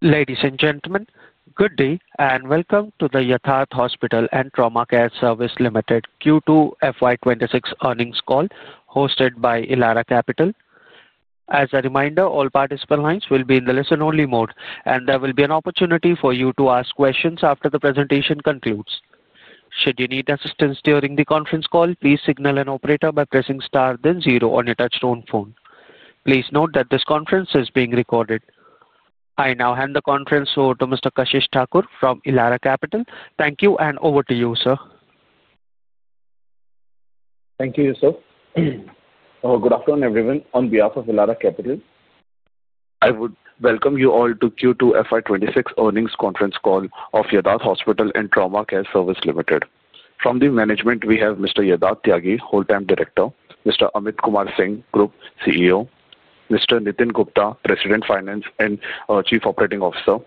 Ladies and gentlemen, good day and welcome to the Yatharth Hospital & Trauma Care Services Limited FY 2026 earnings call hosted by Elara Capital. As a reminder, all participant lines will be in the listen-only mode, and there will be an opportunity for you to ask questions after the presentation concludes. Should you need assistance during the conference call, please signal an operator by pressing star then zero on your touch-tone phone. Please note that this conference is being recorded. I now hand the conference over to Mr. Kashish Thakur from Elara Capital. Thank you, and over to you, sir. Thank you, sir. Oh, good afternoon, everyone. On behalf of Elara Capital, I would welcome you all to FY 2026 earnings conference call of Yatharth Hospital & Trauma Care Services Limited. From the management, we have Mr. Yatharth Tyagi, Whole-time Director; Mr. Amit Kumar Singh, Group CEO; Mr. Nitin Gupta, President, Finance and Chief Operating Officer;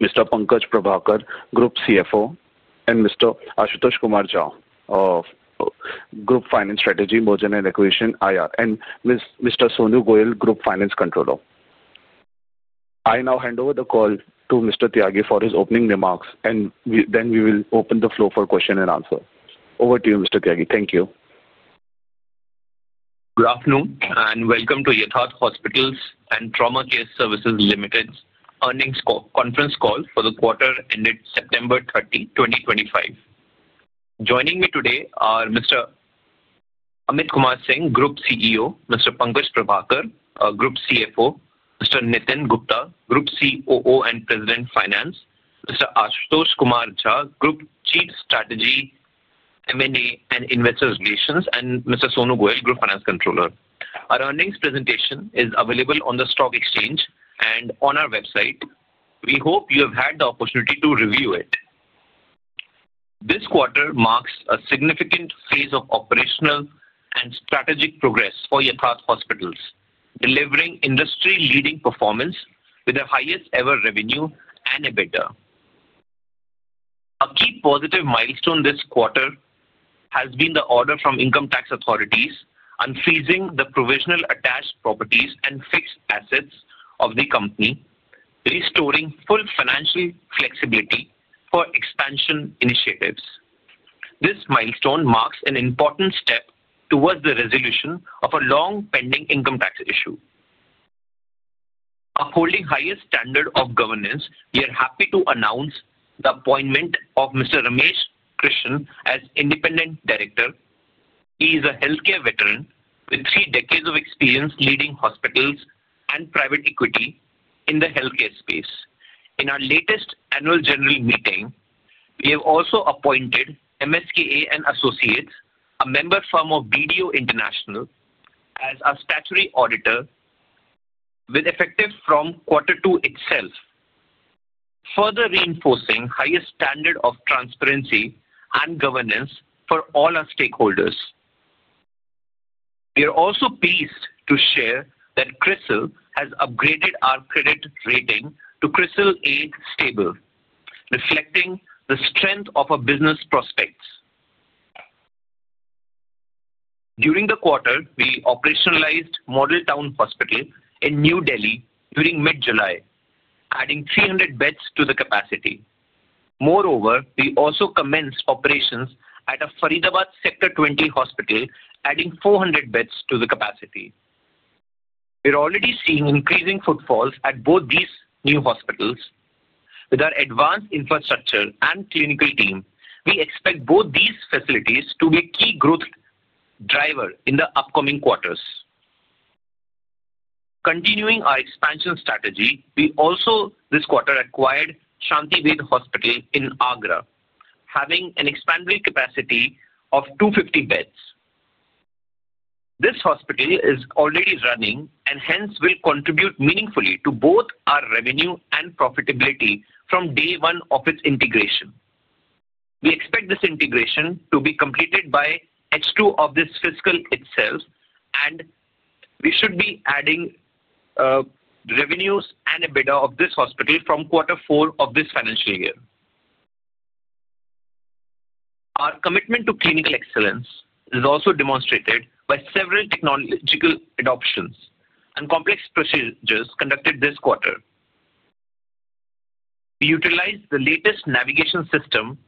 Mr. Pankaj Prabhakar, Group CFO; and Mr. Ashutosh Kumar Jha, Group Finance Strategy, Mergers and Acquisition, IR; and Mr. Sonu Goyal, Group Finance Controller. I now hand over the call to Mr. Tyagi for his opening remarks, and then we will open the floor for question and answer. Over to you, Mr. Tyagi. Thank you. Good afternoon, and welcome to Yatharth Hospital & Trauma Care Services Limited's earnings conference call for the quarter ended September 30, 2025. Joining me today are Mr. Amit Kumar Singh, Group CEO; Mr. Pankaj Prabhakar, Group CFO; Mr. Nitin Gupta, Group COO and President, Finance; Mr. Ashutosh Kumar Jha, Group Chief Strategy, M&A and Investor Relations; and Mr. Sonu Goyal, Group Finance Controller. Our earnings presentation is available on the stock exchange and on our website. We hope you have had the opportunity to review it. This quarter marks a significant phase of operational and strategic progress for Yatharth Hospital, delivering industry-leading performance with the highest-ever revenue and a better. A key positive milestone this quarter has been the order from income tax authorities on freezing the provisional attached properties and fixed assets of the company, restoring full financial flexibility for expansion initiatives. This milestone marks an important step towards the resolution of a long-pending income tax issue. Upholding highest standard of governance, we are happy to announce the appointment of Mr. Ramesh Krishnan as Independent Director. He is a healthcare veteran with three decades of experience leading hospitals and private equity in the healthcare space. In our latest annual general meeting, we have also appointed MSKA & Associates, a member firm of BDO International, as our statutory auditor with effect from quarter two itself, further reinforcing highest standard of transparency and governance for all our stakeholders. We are also pleased to share that Crisil has upgraded our credit rating to Crisil A/Stable, reflecting the strength of our business prospects. During the quarter, we operationalized Model Town Hospital in New Delhi during mid-July, adding 300 beds to the capacity. Moreover, we also commenced operations at a Faridabad Sector 20 hospital, adding 400 beds to the capacity. We are already seeing increasing footfalls at both these new hospitals. With our advanced infrastructure and clinical team, we expect both these facilities to be a key growth driver in the upcoming quarters. Continuing our expansion strategy, we also this quarter acquired Shantived Hospital in Agra, having an expanded capacity of 250 beds. This hospital is already running and hence will contribute meaningfully to both our revenue and profitability from day one of its integration. We expect this integration to be completed by H2 of this fiscal itself, and we should be adding revenues and a better of this hospital from quarter four of this financial year. Our commitment to clinical excellence is also demonstrated by several technological adoptions and complex procedures conducted this quarter. We utilize the latest navigation system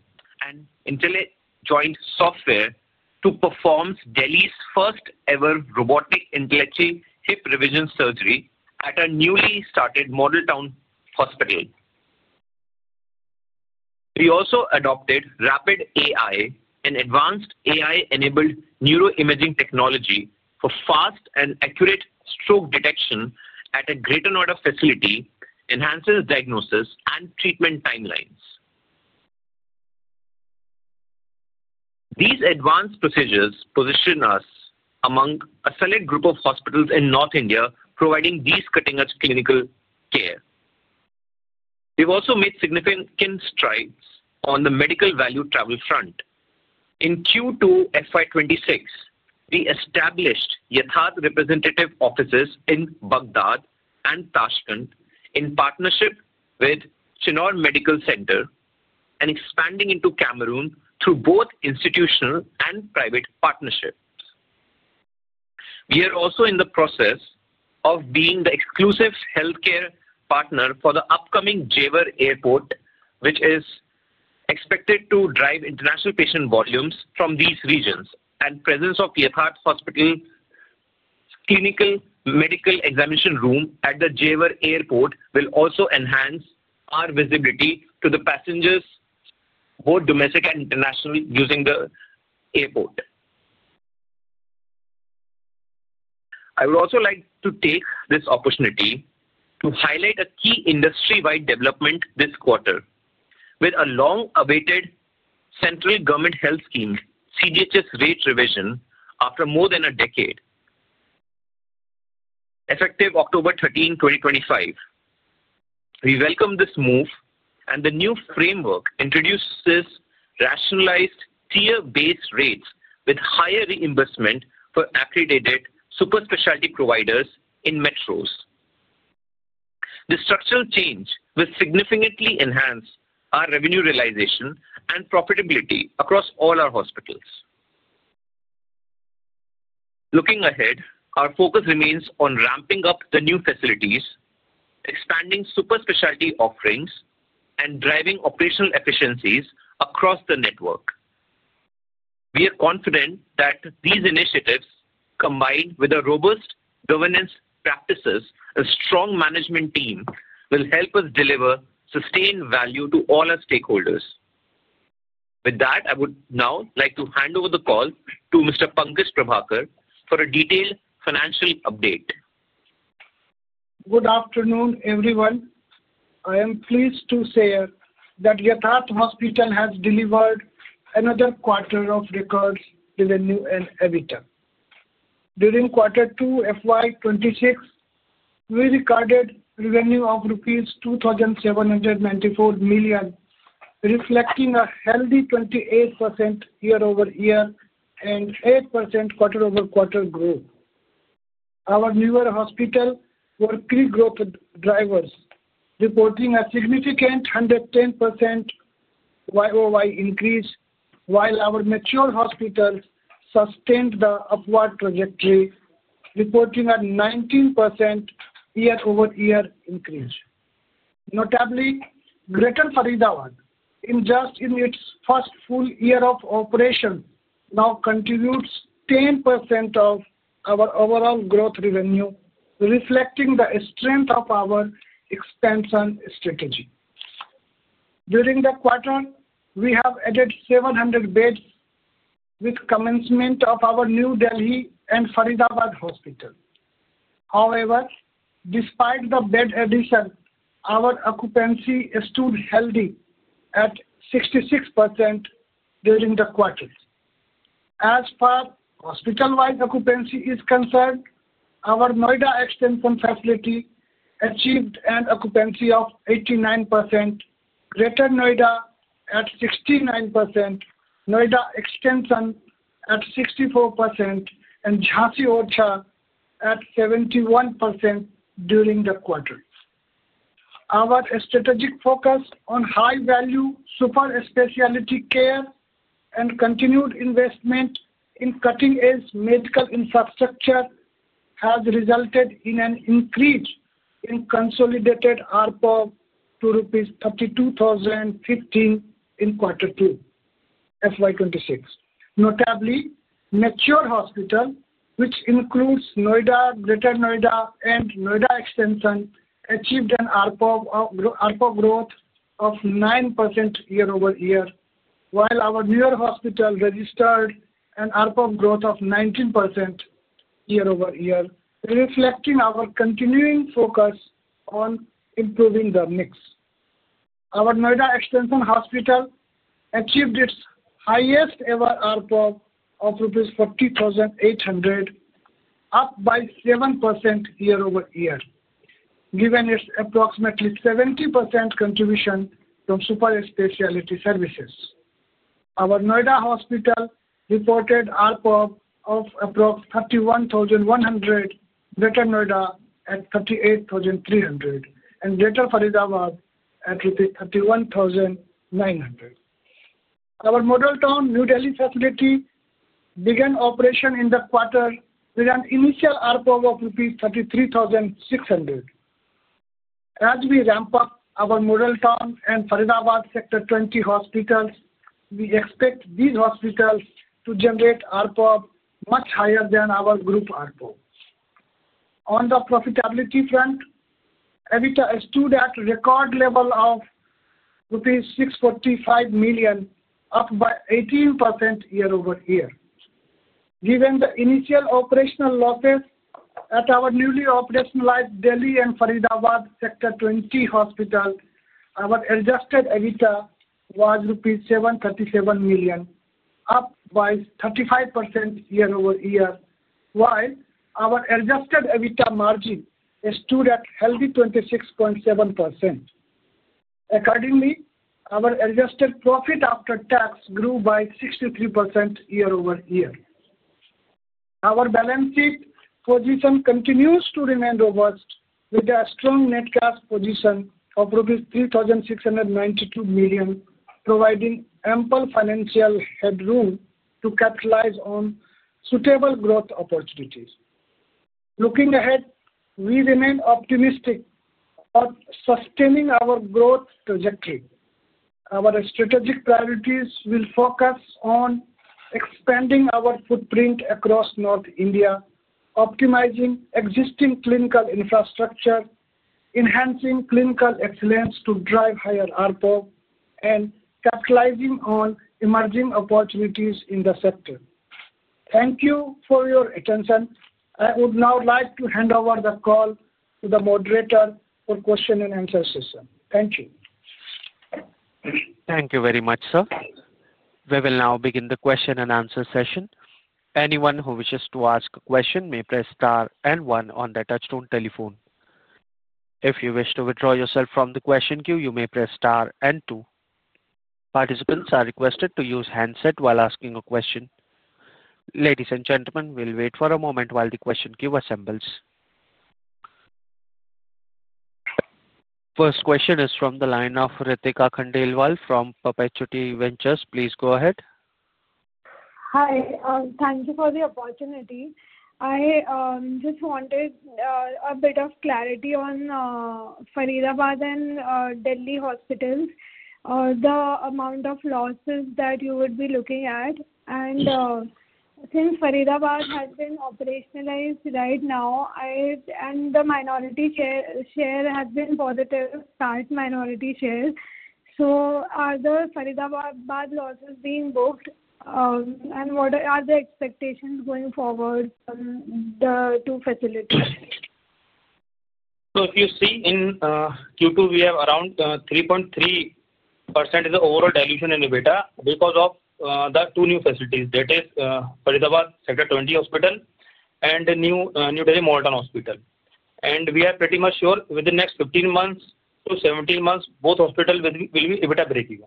and intelligent joint software to perform Delhi's first-ever robotic intellectual hip revision surgery at a newly started Model Town Hospital. We also adopted rapid AI and advanced AI-enabled neuroimaging technology for fast and accurate stroke detection at a greater number of facilities, enhancing diagnosis and treatment timelines. These advanced procedures position us among a select group of hospitals in North India providing these cutting-edge clinical care. We have also made significant strides on the medical value travel front. In FY 2026, we established Yatharth representative offices in Baghdad and Tashkent in partnership with Chinor Medical Center and expanding into Cameroon through both institutional and private partnerships. We are also in the process of being the exclusive healthcare partner for the upcoming Jewar AiARPOBrt, which is expected to drive international patient volumes from these regions, and the presence of Yatharth Hospital's clinical medical examination room at the Jewar Airport will also enhance our visibility to the passengers, both domestic and international, using the airport. I would also like to take this opportunity to highlight a key industry-wide development this quarter with a long-awaited Central Government Health Scheme, CGHS rate revision after more than a decade, effective October 13, 2025. We welcome this move, and the new framework introduces rationalized tier-based rates with higher reimbursement for accredited super specialty providers in metros. This structural change will significantly enhance our revenue realization and profitability across all our hospitals. Looking ahead, our focus remains on ramping up the new facilities, expanding super specialty offerings, and driving operational efficiencies across the network. We are confident that these initiatives, combined with robust governance practices and a strong management team, will help us deliver sustained value to all our stakeholders. With that, I would now like to hand over the call to Mr. Pankaj Prabhakar for a detailed financial update. Good afternoon, everyone. I am pleased to say that Yatharth Hospital has delivered another quarter of record revenue and EBITDA. During quarter FY 2026, we recorded revenue of rupees 2.794 billion, reflecting a healthy 28% year-over-year and 8% quarter-over-quarter growth. Our newer hospitals were key growth drivers, reporting a significant 110% YOY increase, while our mature hospitals sustained the upward trajectory, reporting a 19% year-over-year increase. Notably, Greater Faridabad, just in its first full year of operation, now contributes 10% of our overall growth revenue, reflecting the strength of our expansion strategy. During the quarter, we have added 700 beds with commencement of our New Delhi and Faridabad hospitals. However, despite the bed addition, our occupancy stood healthy at 66% during the quarter. As far as hospital-wide occupancy is concerned, our Noida Extension facility achieved an occupancy of 89%, Greater Noida at 69%, Noida Extension at 64%, and Jhansi Orchha at 71% during the quarter. Our strategic focus on high-value super specialty care and continued investment in cutting-edge medical infrastructure has resulted in an increase in consolidated ARPOB of 32,015 in quarter FY 2026. notably, mature hospitals, which include Noida, Greater Noida, and Noida Extension, achieved an ARPOB growth of 9% year-over-year, while our newer hospitals registered an ARPOB growth of 19% year-over-year, reflecting our continuing focus on improving the mix. Our Noida Extension hospital achieved its highest-ever ARPOB of INR 40,800, up by 7% year-over-year, given its approximately 70% contribution from super specialty services. Our Noida hospital reported ARPOB of approximately 31,100, Greater Noida at 38,300, and Greater Faridabad at 31,900. Our Model Town New Delhi facility began operation in the quarter with an initial ARPOB of rupees 33,600. As we ramp up our Model Town and Faridabad Sector 20 hospitals, we expect these hospitals to generate ARPOB much higher than our group ARPOB. On the profitability front, EBITDA stood at record level of rupees 645 million, up by 18% year-over-year. Given the initial operational losses at our newly operationalized Delhi and Faridabad Sector 20 hospitals, our adjusted EBITDA was rupees 737 million, up by 35% year-over-year, while our adjusted EBITDA margin stood at healthy 26.7%. Accordingly, our adjusted profit after tax grew by 63% year-over-year. Our balance sheet position continues to remain robust, with a strong net cash position of 3.692 billion, providing ample financial headroom to capitalize on suitable growth opportunities. Looking ahead, we remain optimistic about sustaining our growth trajectory. Our strategic priorities will focus on expanding our footprint across North India, optimizing existing clinical infrastructure, enhancing clinical excellence to drive higher ARPOB, and capitalizing on emerging opportunities in the sector. Thank you for your attention. I would now like to hand over the call to the moderator for question and answer session. Thank you. Thank you very much, sir. We will now begin the question and answer session. Anyone who wishes to ask a question may press star and one on the touchstone telephone. If you wish to withdraw yourself from the question queue, you may press star and two. Participants are requested to use handset while asking a question. Ladies and gentlemen, we'll wait for a moment while the question queue assembles. First question is from the line of Ritika Khandelwal from Perpetuity Ventures. Please go ahead. Hi. Thank you for the opportunity. I just wanted a bit of clarity on Faridabad and Delhi hospitals, the amount of losses that you would be looking at. Since Faridabad has been operationalized right now and the minority share has been positive, large minority share, are the Faridabad losses being booked? What are the expectations going forward from the two facilities? If you see in Q2, we have around 3.3% overall dilution in EBITDA because of the two new facilities, that is, Faridabad Sector 20 hospital and New Delhi Model Town hospital. We are pretty much sure within the next 15-17 months, both hospitals will be EBITDA break even.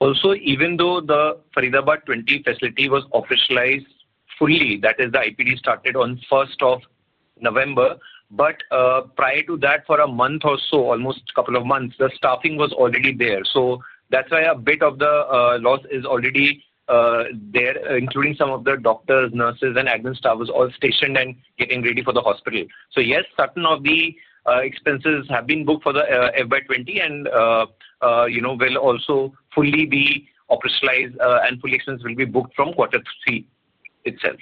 Also, even though the Faridabad 20 facility was officialized fully, that is, the IPD started on November 1st, but prior to that, for a month or so, almost a couple of months, the staffing was already there. That is why a bit of the loss is already there, including some of the doctors, nurses, and admin staff who are all stationed and getting ready for the hospital. Yes, certain of the expenses have been booked FY 2020 and will also fully be operationalized, and fully expenses will be booked from quarter three itself.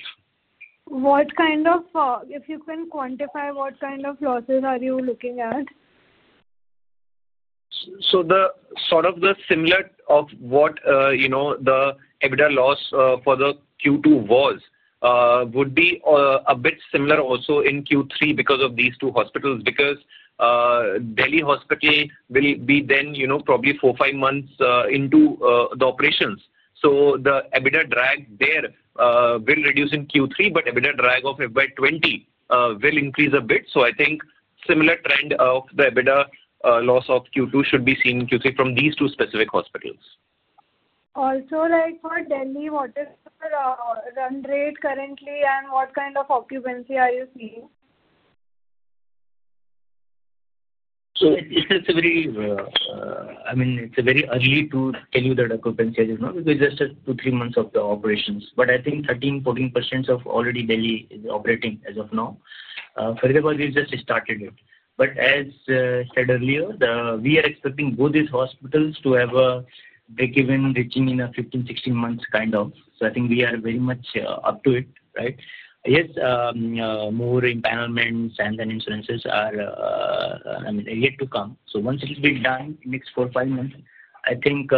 What kind of, if you can quantify, what kind of losses are you looking at? Sort of the similarity of what the EBITDA loss for Q2 was would be a bit similar also in Q3 because of these two hospitals, because Delhi Hospital will be then probably four-five months into the operations. The EBITDA drag there will reduce in Q3, but EBITDA drag FY 2020 will increase a bit. I think similar trend of the EBITDA loss of Q2 should be seen in Q3 from these two specific hospitals. Also, for Delhi, what is the run rate currently, and what kind of occupancy are you seeing? It's a very, I mean, it's very early to tell you that occupancy as of now because it's just two to three months of the operations. I think 13%-14% of already Delhi is operating as of now. Faridabad has just started it. As said earlier, we are expecting both these hospitals to have a break even reaching in 15-16 months kind of. I think we are very much up to it, right? Yes, more empowerments and then insurances are, I mean, yet to come. Once it's been done in the next four-five months, I think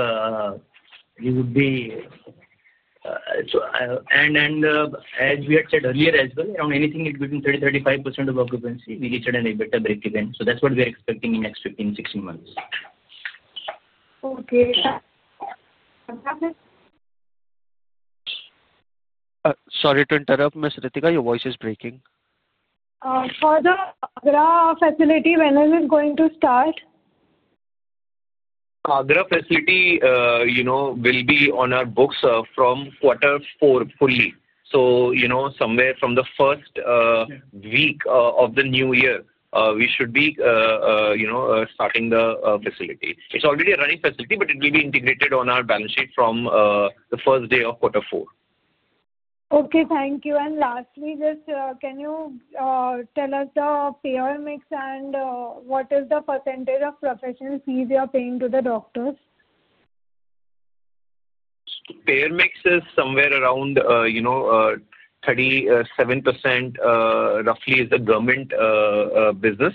we would be, and as we had said earlier as well, around anything between 30-35% of occupancy, we reached an EBITDA break even. That's what we are expecting in the next 15-16 months. Okay. Sorry to interrupt, Ms. Ritika, your voice is breaking. For the Agra facility, when is it going to start? Agra facility will be on our books from quarter four fully. Somewhere from the first week of the new year, we should be starting the facility. It is already a running facility, but it will be integrated on our balance sheet from the first day of quarter four. Okay. Thank you. Lastly, just can you tell us the payer mix and what is the percentage of professional fees you are paying to the doctors? Payer mix is somewhere around 37% roughly is the government business,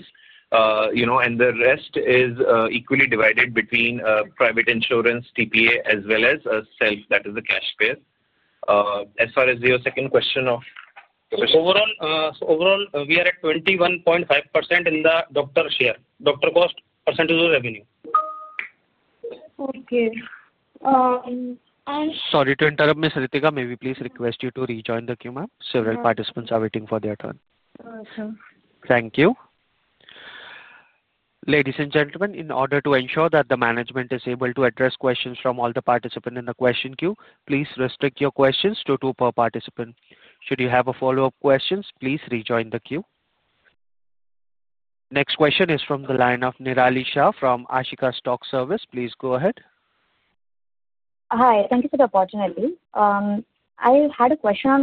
and the rest is equally divided between private insurance, TPA, as well as self, that is the cash payer. As far as your second question of. Overall, we are at 21.5% in the doctor share, doctor cost percentage of revenue. Okay. Sorry to interrupt, Ms. Ritika, may we please request you to rejoin the queue, ma'am? Several participants are waiting for their turn. Okay. Thank you. Ladies and gentlemen, in order to ensure that the management is able to address questions from all the participants in the question queue, please restrict your questions to two per participant. Should you have follow-up questions, please rejoin the queue. Next question is from the line of Nirali Shah from Ashika Stock Service. Please go ahead. Hi. Thank you for the opportunity. I had a question on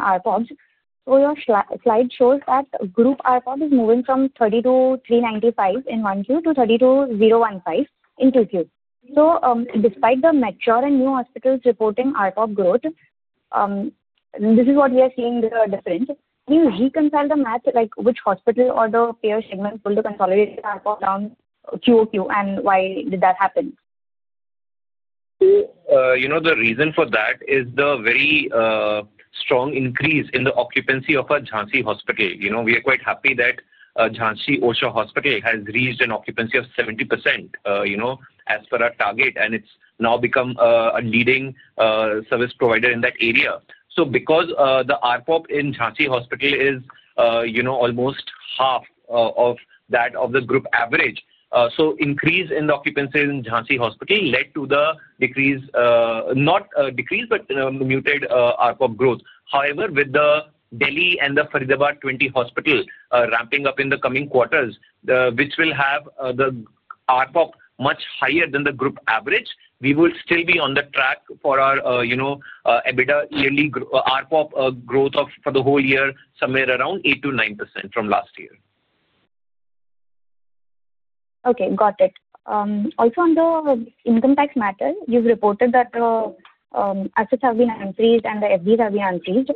ARPOBs. Your slide shows that group ARPOB is moving from 30,395 in one queue to 32,015 in two queues. Despite the mature and new hospitals reporting ARPOB growth, this is what we are seeing, the difference. Can you reconcile the math, which hospital or the payer segment pulled the consolidated ARPOB down QoQ, and why did that happen? The reason for that is the very strong increase in the occupancy of Jhansi Hospital. We are quite happy that Jhansi Hospital has reached an occupancy of 70% as per our target, and it's now become a leading service provider in that area. Because the ARPOB in Jhansi Hospital is almost half of that of the group average, increase in the occupancy in Jhansi Hospital led to the decrease, not decrease, but muted ARPOB growth. However, with the Delhi and the Faridabad 20 hospital ramping up in the coming quarters, which will have the ARPOB much higher than the group average, we will still be on the track for our EBITDA yearly ARPOB growth for the whole year, somewhere around 8%-9% from last year. Okay. Got it. Also, on the income tax matter, you've reported that assets have been increased and the FVs have been increased.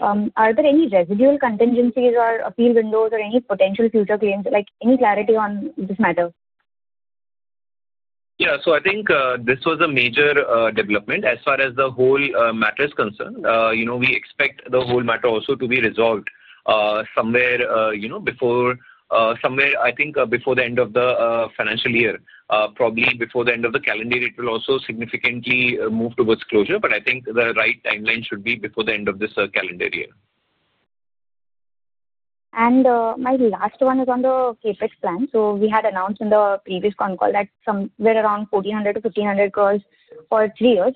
Are there any residual contingencies or appeal windows or any potential future claims? Any clarity on this matter? Yeah. I think this was a major development as far as the whole matter is concerned. We expect the whole matter also to be resolved somewhere before, I think, before the end of the financial year. Probably before the end of the calendar year, it will also significantly move towards closure. I think the right timeline should be before the end of this calendar year. My last one is on the CapEx plan. We had announced in the previous con call that somewhere around 1,400 crore-1,500 crore for 3 years.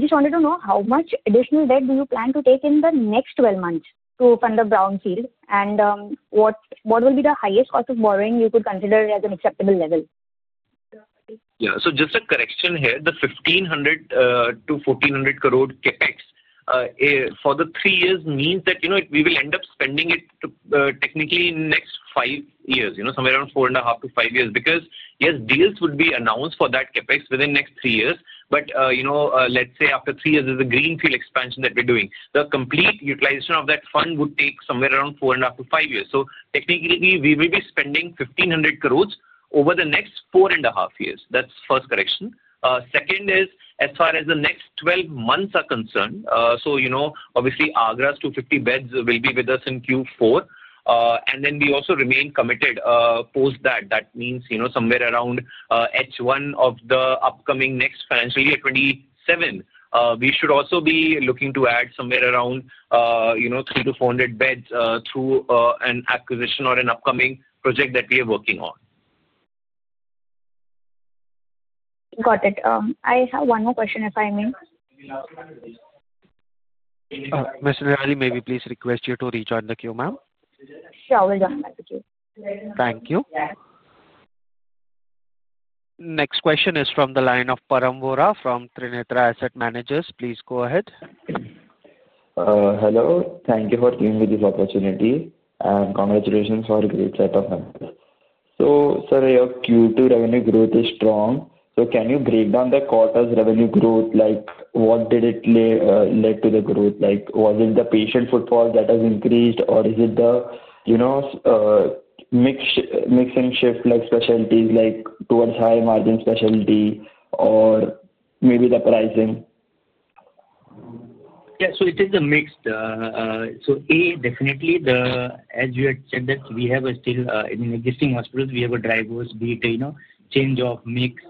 Just wanted to know how much additional debt do you plan to take in the next 12 months to fund the brownfield, and what will be the highest cost of borrowing you could consider as an acceptable level? Yeah. Just a correction here. The 1,500 crore-1,400 crore CapEx for the 3 years means that we will end up spending it technically in the next 5 years, somewhere around 4.5-5 years. Because yes, deals would be announced for that CapEx within the next 3 years, but after 3 years is the greenfield expansion that we are doing. The complete utilization of that fund would take somewhere around 4.5-5 years. Technically, we will be spending 1,500 crore over the next 4.5 years. That is the first correction. Second is, as far as the next 12 months are concerned, obviously, Agra's 250 beds will be with us in Q4, and then we also remain committed post that. That means somewhere around H1 of the upcoming next financial year, 2027, we should also be looking to add somewhere around 300-400 beds through an acquisition or an upcoming project that we are working on. Got it. I have one more question, if I may. Ms. Nirali, may we please request you to rejoin the queue, ma'am? Sure. I will join back the queue. Thank you. Next question is from the line of Param Vora from Trinetra Asset Managers. Please go ahead. Hello. Thank you for giving me this opportunity, and congratulations for a great set of numbers. Sir, your Q2 revenue growth is strong. Can you break down the quarter's revenue growth? What led to the growth? Was it the patient footfall that has increased, or is it the mix and shift specialties towards high margin specialty, or maybe the pricing? Yeah. It is a mix. A, definitely, as you had said, that we have still in existing hospitals, we have a dry growth, be it change of mix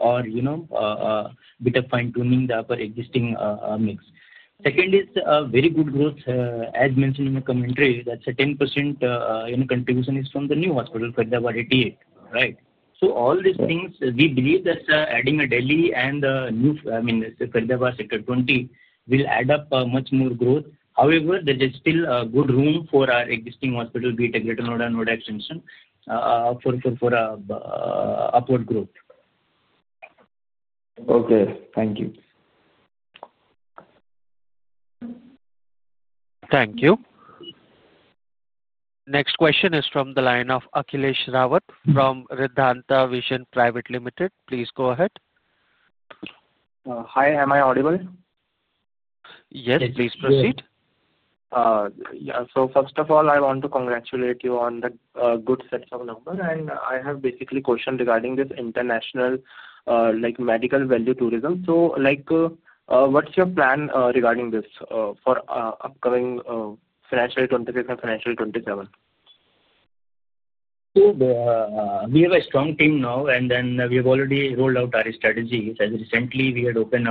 or a bit of fine-tuning of our existing mix. Second is very good growth, as mentioned in the commentary, that is a 10% contribution from the new hospital, Faridabad 88, right? All these things, we believe that adding a Delhi and the new, I mean, Faridabad Sector 20 will add up much more growth. However, there is still good room for our existing hospital, be it Greater Noida and Noida Extension, for upward growth. Okay. Thank you. Thank you. Next question is from the line of Akhilesh Rawat from Riddhanta Vision Private Limited. Please go ahead. Hi. Am I audible? Yes. Please proceed. Yes. First of all, I want to congratulate you on the good set of numbers, and I have basically questions regarding this international medical value tourism. What's your plan regarding this for upcoming financial 2026 and financial 2027? We have a strong team now, and then we have already rolled out our strategies. As recently, we had opened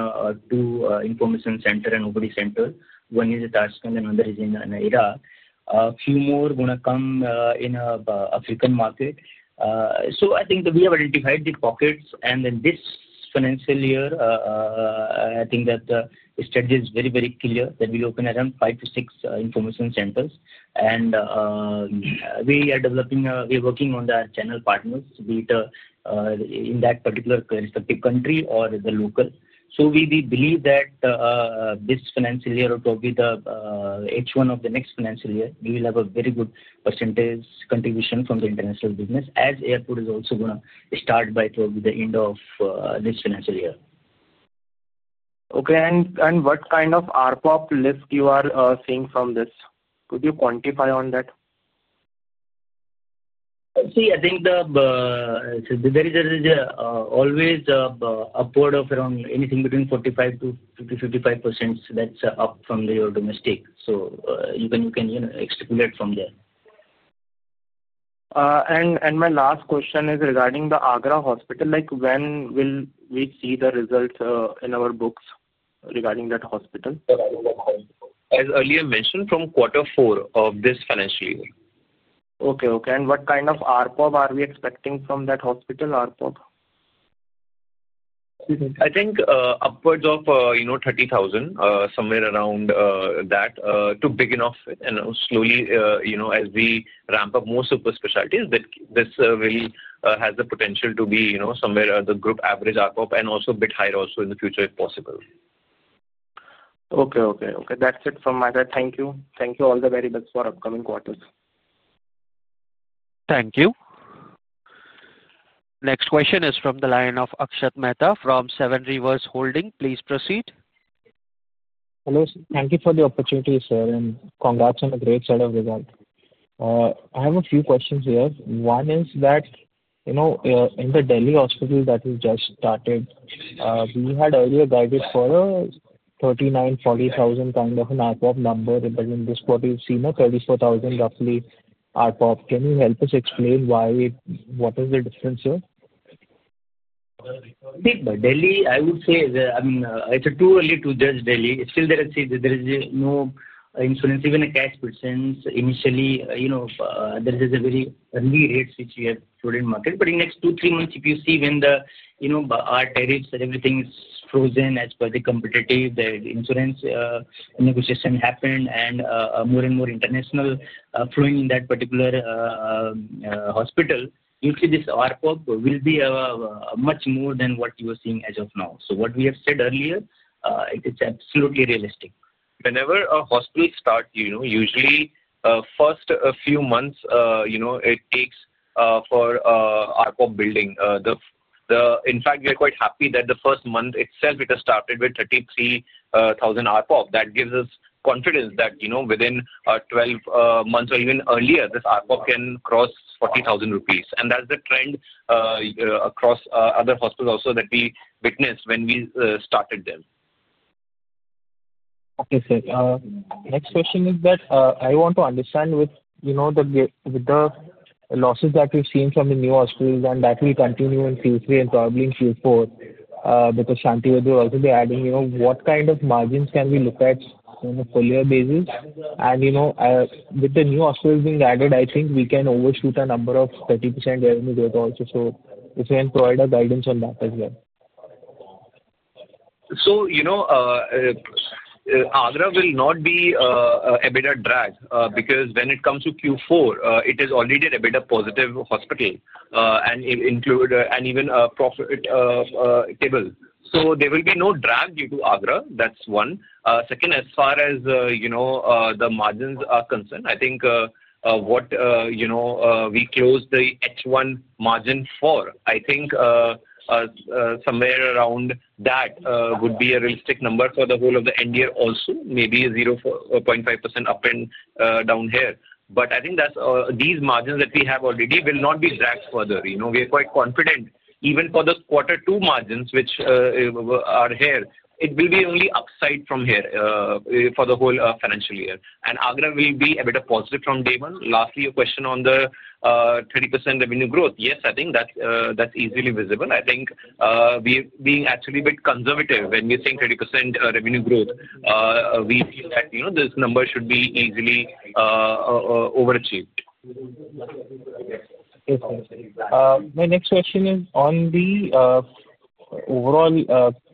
two information centers and operating centers. One is in Tashkent, and another is in Iraq. A few more are going to come in the African market. I think we have identified the pockets, and in this financial year, I think that the strategy is very, very clear that we'll open around five to six information centers, and we are developing a, we are working on the channel partners, be it in that particular respective country or the local. We believe that this financial year, probably the H1 of the next financial year, we will have a very good percentage contribution from the international business, as airport results is also going to start by probably the end of this financial year. Okay. What kind of ARPOB lift are you seeing from this? Could you quantify on that? See, I think there is always upward of around anything between 45%-55% that's up from your domestic. You can extrapolate from there. My last question is regarding the Agra hospital. When will we see the results in our books regarding that hospital? As earlier mentioned, from quarter four of this financial year. Okay. Okay. What kind of ARPOB are we expecting from that hospital ARPOB? I think upwards of 30,000, somewhere around that to begin off, and slowly, as we ramp up more super specialties, this really has the potential to be somewhere the group average ARPOB and also a bit higher also in the future if possible. Okay. Okay. Okay. That's it from my side. Thank you. Thank you, all the very best for upcoming quarters. Thank you. Next question is from the line of Akshath Mehta from Seven Rivers Holding. Please proceed. Hello. Thank you for the opportunity, sir, and congrats on a great set of results. I have a few questions here. One is that in the Delhi hospital that we just started, we had earlier guided for a 39,000-40,000 kind of an ARPOB number, but in this quarter, you've seen a 34,000 roughly ARPOB. Can you help us explain why? What is the difference here? See, by Delhi, I would say, I mean, it's too early to judge Delhi. Still, there is no insurance, even a cash person. Initially, there is a very early rate which we have put in market. In the next 2-3 months, if you see when our tariffs and everything is frozen as per the competitive, the insurance negotiation happened, and more and more international flowing in that particular hospital, you'll see this ARPOB will be much more than what you are seeing as of now. What we have said earlier, it is absolutely realistic. Whenever a hospital starts, usually first few months, it takes for ARPOB building. In fact, we are quite happy that the first month itself, it has started with 33,000 ARPOB. That gives us confidence that within 12 months or even earlier, this ARPOB can cross 40,000 rupees. That's the trend across other hospitals also that we witnessed when we started them. Okay, sir. Next question is that I want to understand with the losses that we've seen from the new hospitals and that will continue in Q3 and probably in Q4, because Shantived also will be adding, what kind of margins can we look at on a full-year basis? With the new hospitals being added, I think we can overshoot a number of 30% revenue growth also. If you can provide a guidance on that as well. Agra will not be a better drag because when it comes to Q4, it is already a better positive hospital and even a profitable. There will be no drag due to Agra. That's one. Second, as far as the margins are concerned, I think what we closed the H1 margin for, I think somewhere around that would be a realistic number for the whole of the end year also, maybe 0.5% up and down here. I think these margins that we have already will not be dragged further. We are quite confident even for the quarter two margins which are here, it will be only upside from here for the whole financial year. Agra will be a better positive from day one. Lastly, your question on the 30% revenue growth, yes, I think that's easily visible. I think we are being actually a bit conservative when we're saying 30% revenue growth. We feel that this number should be easily overachieved. Yes, sir. My next question is on the overall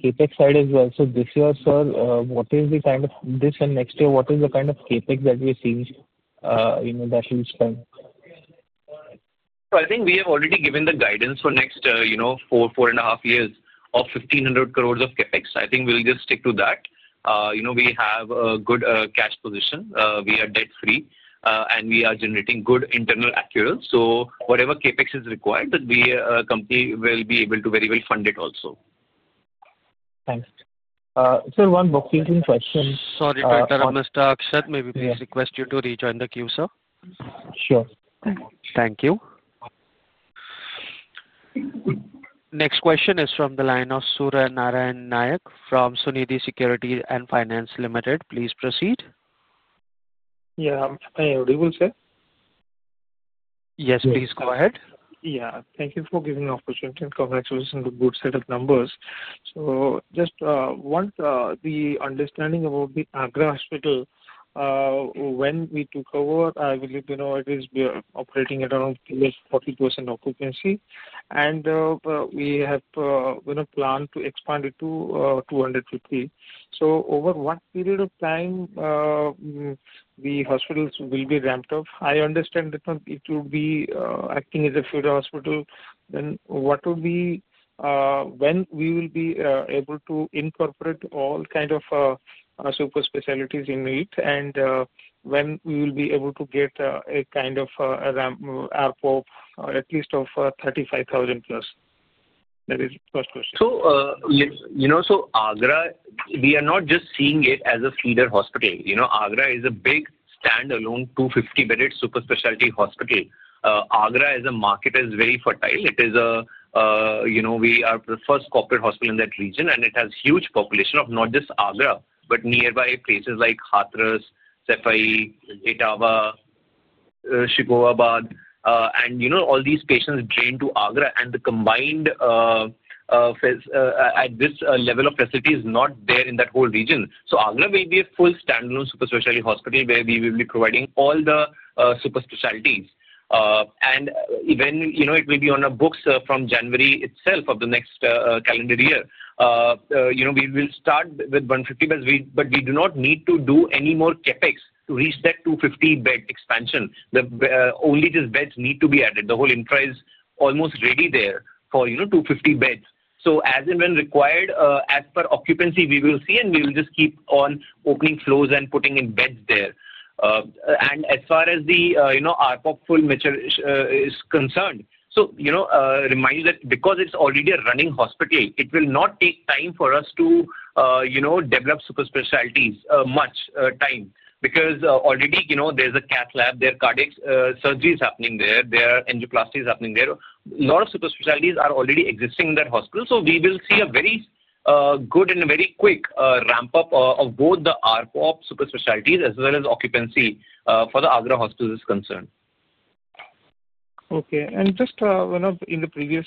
CapEx side as well. This year, sir, what is the kind of this and next year, what is the kind of CapEx that we're seeing that you spend? I think we have already given the guidance for the next four, four and a half years of 1,500 crore of CapEx. I think we'll just stick to that. We have a good cash position. We are debt-free, and we are generating good internal accuracy. So whatever CapEx is required, the company will be able to very well fund it also. Thanks. Sir, one more question. Sorry, Mr. Akshath, may we please request you to rejoin the queue, sir? Sure. Thank you. Next question is from the line of Surya Narayan Nayak from Sunidi Security & Finance Limited. Please proceed. Yeah. May I intervene, sir? Yes, please go ahead. Yeah. Thank you for giving the opportunity and congratulations on the good set of numbers. Just once, the understanding about the Agra hospital, when we took over, I believe it is operating at around 40% occupancy, and we have planned to expand it to 250. Over what period of time will the hospitals be ramped up? I understand that it will be acting as a feeder hospital. What will be when we will be able to incorporate all kinds of super specialties in it, and when will we be able to get a kind of ARPOB at least of 35,000+? That is the first question. Agra, we are not just seeing it as a feeder hospital. Agra is a big standalone 250-bed super specialty hospital. Agra as a market is very fertile. We are the first corporate hospital in that region, and it has a huge population of not just Agra, but nearby places like Hathras, Saifai, Etawah, Shikohabad. All these patients drain to Agra, and the combined at this level of facility is not there in that whole region. Agra will be a full standalone super specialty hospital where we will be providing all the super specialties. It will be on our books from January itself of the next calendar year. We will start with 150 beds, but we do not need to do any more CapEx to reach that 250-bed expansion. Only just beds need to be added. The whole infra is almost ready there for 250 beds. As and when required, as per occupancy, we will see, and we will just keep on opening floors and putting in beds there. As far as the ARPOB full measure is concerned, remind you that because it is already a running hospital, it will not take time for us to develop super specialties much time because already there is a cath lab there, cardiac surgery is happening there, there are angioplasties happening there. A lot of super specialties are already existing in that hospital. We will see a very good and very quick ramp-up of both the ARPOB super-specialties as well as occupancy for the Agra hospitals is concerned. Okay. Just one of the previous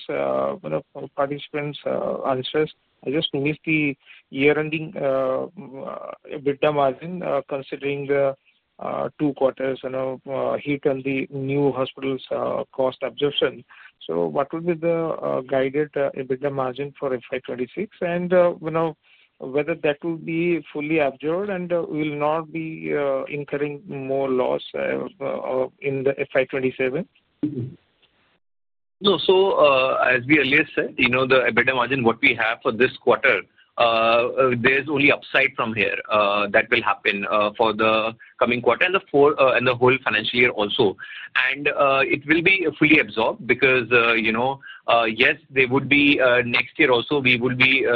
participants, Alisher's, I just noticed the year-ending EBITDA margin considering the two quarters and heat and the new hospital's cost absorption. What will be the guided EBITDA margin FY 2026, and whether that will be fully absorbed and will not be incurring more loss in FY 2027? No. As we earlier said, the EBITDA margin what we have for this quarter, there's only upside from here that will happen for the coming quarter and the whole financial year also. It will be fully absorbed because, yes, next year also we will be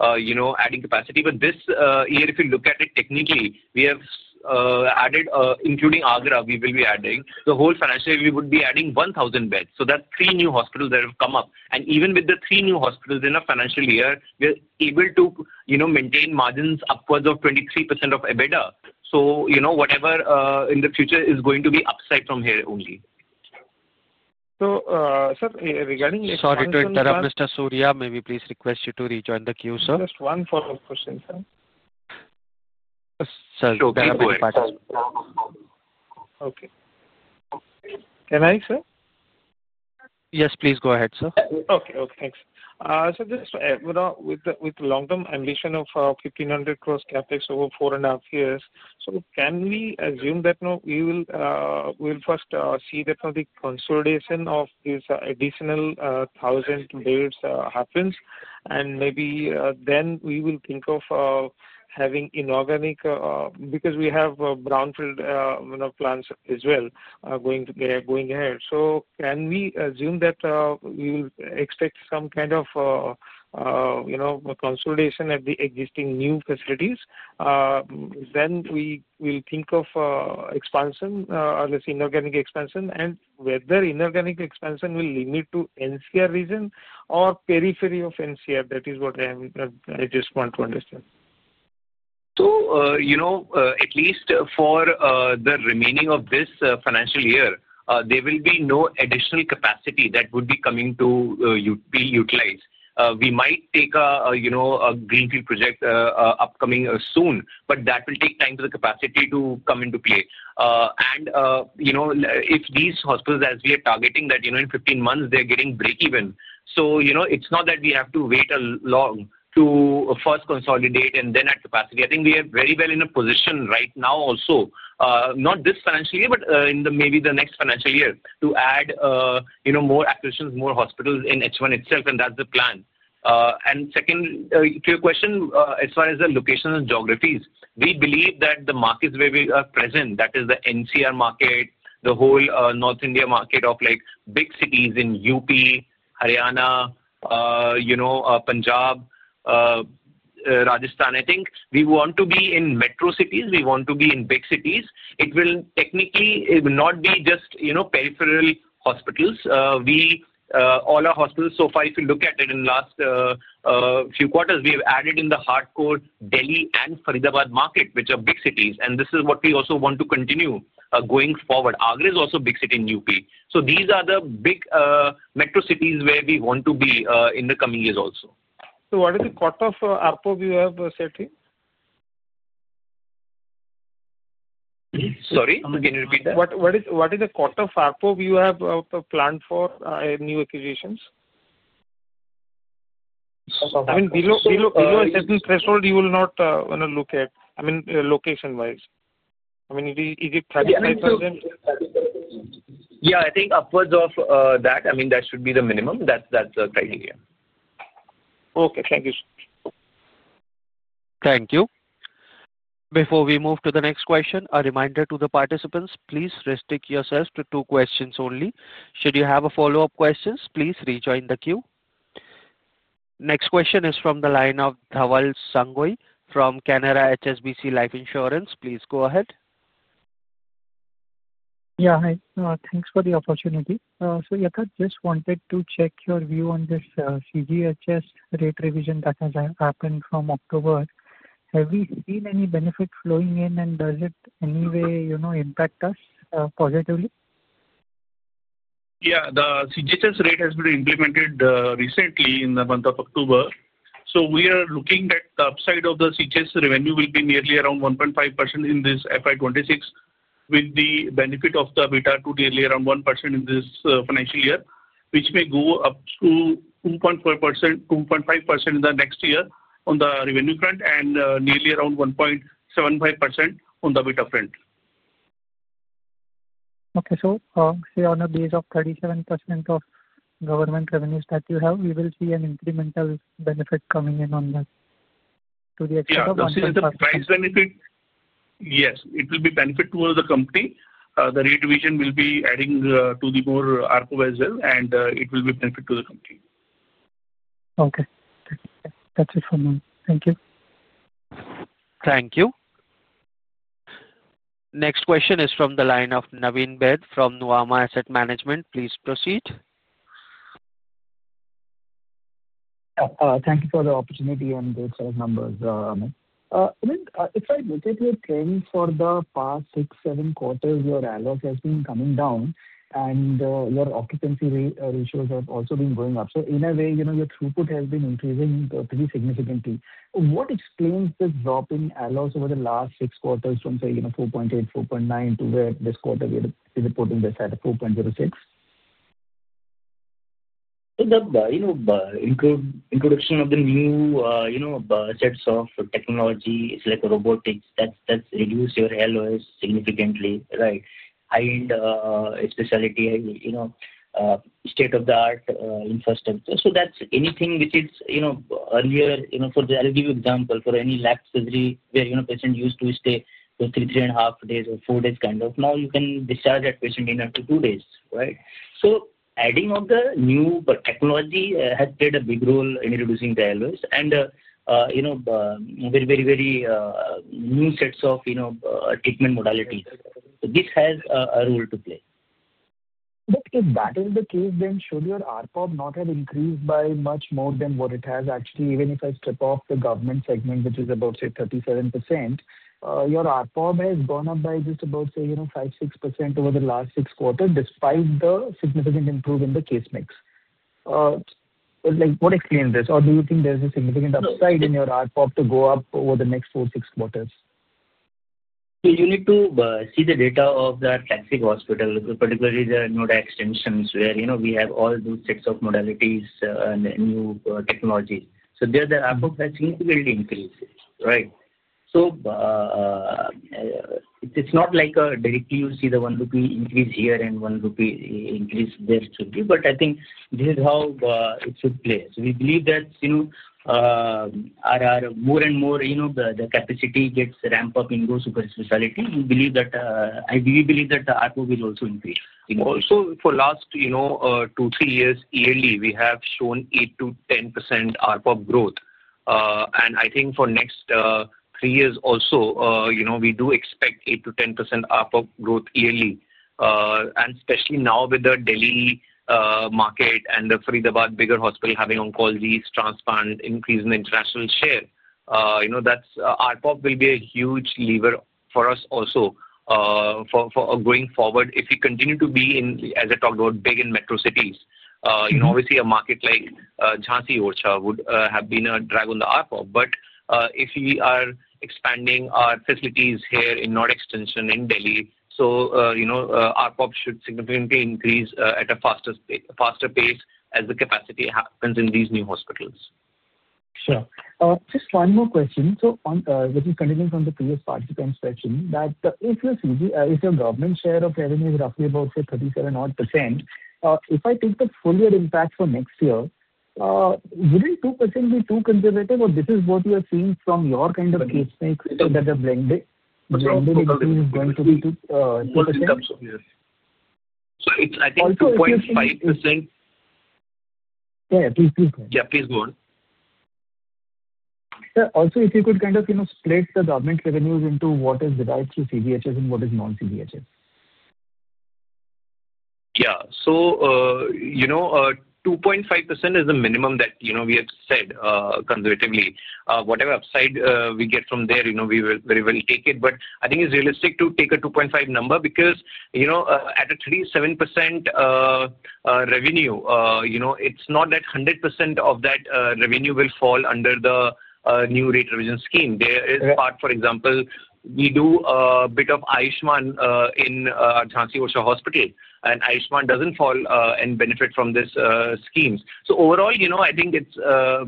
adding capacity. This year, if you look at it technically, we have added including Agra, we will be adding. The whole financial year, we would be adding 1,000 beds. That's three new hospitals that have come up. Even with the three new hospitals in our financial year, we are able to maintain margins upwards of 23% of EBITDA. Whatever in the future is going to be upside from here only. Sir, regarding the— Sorry to interrupt, Mr. Surya. May we please request you to rejoin the queue, sir? Just one follow-up question, sir. Sir. Okay. Can I, sir? Yes, please go ahead, sir. Okay. Okay. Thanks. Just with the long-term ambition of 1,500 crore CapEx over 4.5 years, can we assume that we will first see that the consolidation of this additional 1,000 beds happens, and maybe then we will think of having inorganic because we have brownfield plans as well going ahead. Can we assume that we will expect some kind of consolidation at the existing new facilities? Then we will think of expansion, let's say inorganic expansion, and whether inorganic expansion will limit to NCR region or periphery of NCR. That is what I just want to understand. At least for the remaining of this financial year, there will be no additional capacity that would be coming to be utilized. We might take a greenfield project upcoming soon, but that will take time for the capacity to come into play. If these hospitals, as we are targeting that in 15 months, they're getting break-even. It's not that we have to wait long to first consolidate and then add capacity. I think we are very well in a position right now also, not this financial year, but maybe the next financial year, to add more acquisitions, more hospitals in H1 itself, and that's the plan. Second to your question, as far as the location and geographies, we believe that the markets where we are present, that is the NCR market, the whole North India market of big cities in UP, Haryana, Punjab, Rajasthan. I think we want to be in metro cities. We want to be in big cities. It will technically not be just peripheral hospitals. All our hospitals, so far, if you look at it in the last few quarters, we have added in the hardcore Delhi and Faridabad market, which are big cities. This is what we also want to continue going forward. Agra is also a big city in UP. These are the big metro cities where we want to be in the coming years also. What is the cut of ARPOB you have set here? Sorry? Can you repeat that? What is the cut of ARPOB you have planned for new acquisitions? I mean, below a certain threshold, you will not want to look at, I mean, location-wise. I mean, is it 35,000? Yeah. I think upwards of that, I mean, that should be the minimum. That's the criteria. Okay. Thank you. Thank you. Before we move to the next question, a reminder to the participants, please restrict yourselves to two questions only. Should you have a follow-up question, please rejoin the queue. Next question is from the line of Dhaval Sangoi from Canara HSBC Life Insurance. Please go ahead. Yeah. Hi. Thanks for the opportunity. Yatharth, just wanted to check your view on this CGHS rate revision that has happened from October. Have we seen any benefit flowing in, and does it in any way impact us positively? Yeah. The CGHS rate has been implemented recently in the month of October. We are looking at the upside of the CGHS revenue will be nearly around 1.5% in FY 2026, with the benefit of the EBITDA to nearly around 1% in this financial year, which may go up to 2.5% in the next year on the revenue front and nearly around 1.75% on the EBITDA front. Okay. So say on a base of 37% of government revenues that you have, we will see an incremental benefit coming in on that to the extent of 1.5%? Yeah. Is it a price benefit? Yes. It will be benefit towards the company. The rate revision will be adding to the more ARPOB as well, and it will be benefit to the company. Okay. That's it for now. Thank you. Thank you. Next question is from the line of Naveen Baid from Nuvama Asset Management. Please proceed. Thank you for the opportunity and great sales numbers. I mean, if I look at your trend for the past six, seven quarters, your ROS has been coming down, and your occupancy ratios have also been going up. In a way, your throughput has been increasing pretty significantly. What explains the drop in ROS over the last six quarters from, say, 4.8, 4.9 to where this quarter we are reporting this at 4.06? The introduction of the new sets of technology, like robotics, that's reduced your LOS significantly, right? High-end specialty, state-of-the-art infrastructure. That's anything which is earlier for the, I'll give you an example, for any lap surgery where a patient used to stay for 3, 3.5 days or 4 days kind of, now you can discharge that patient in up to 2 days, right? Adding of the new technology has played a big role in reducing the LOS and very, very, very new sets of treatment modalities. This has a role to play. If that is the case, then should your ARPOB not have increased by much more than what it has actually? Even if I strip off the government segment, which is about, say, 37%, your ARPOB has gone up by just about, say, 5%-6% over the last six quarters despite the significant improvement in the case mix. What explains this? Do you think there is a significant upside in your ARPOB to go up over the next four-six quarters? You need to see the data of that classic hospital, particularly the Noida Extension where we have all those sets of modalities and new technologies. There, the ARPOB has significantly increased, right? It's not like directly you see the 1 rupee increase here and 1 rupee increase there should be, but I think this is how it should play. We believe that as more and more the capacity gets ramped up in those super specialties, we believe that, I believe that, the ARPOB will also increase. Also, for the last two, three years, yearly, we have shown 8%-10% ARPOB growth. I think for the next three years also, we do expect 8%-10% ARPOB growth yearly. Especially now with the Delhi market and the Faridabad bigger hospital having oncology, transplant, increase in the international share, that ARPOB will be a huge lever for us also for going forward if we continue to be, as I talked about, big in metro cities. Obviously, a market like Jhansi Orchha would have been a drag on the ARPOB. If we are expanding our facilities here in Noida Extension in Delhi, ARPOB should significantly increase at a faster pace as the capacity happens in these new hospitals. Sure. Just one more question. This is continuing from the previous participant's question that if your government share of revenue is roughly about, say, 37%-odd, if I take the full year impact for next year, would not 2% be too conservative, or this is what we are seeing from your kind of case mix that the blended equity is going to be 2%? I think 2.5%. Yeah, please go ahead. Yeah, please go on. Sir, also, if you could kind of split the government revenues into what is divided through CGHS and what is non-CGHS. Yeah. 2.5% is the minimum that we have said conservatively. Whatever upside we get from there, we will take it. I think it's realistic to take a 2.5 number because at a 37% revenue, it's not that 100% of that revenue will fall under the new rate revision scheme. There is part, for example, we do a bit of Aayushman in Jhansi Orchha Hospital, and Aayushman doesn't fall and benefit from these schemes. Overall, I think